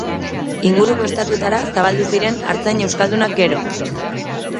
Inguruko estatuetara zabaldu ziren artzain euskaldunak gero.